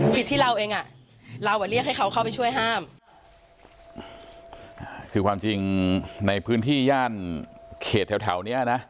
ผิดที่เราเองอ่ะเราอ่ะเรียกให้เขาเข้าไปช่วยห้ามคือความจริงในพื้นที่ย่านเขตแถวแถวเนี้ยนะ